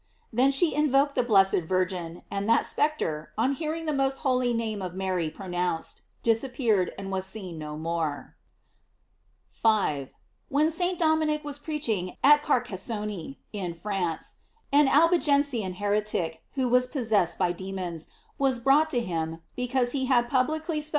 Then she invoked the blessed Virgin; and that spectre, on hearing the most holy name of Mary pronounced, disappeared and was seen no more.* 5. — When St. Dominic was preaching at Carcassone, in France, an Albigensian heretic, who was possessed by demons, was brought to him, because he had publicly spoken against the devotion of the most holy Rosary.